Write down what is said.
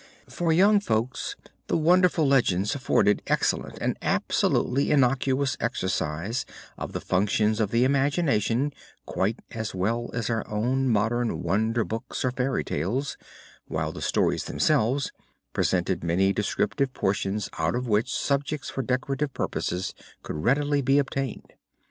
For young folks the wonderful legends afforded excellent and absolutely innocuous exercise of the functions of the imagination quite as well as our own modern wonder books or fairy tales, while the stories themselves presented many descriptive portions out of which subjects for decorative purposes could readily be obtained.